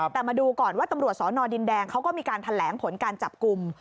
แต่มาดูก่อนว่าตำรวจสอนอดินแดงเขาก็มีการแถลงผลการจับกลุ่ม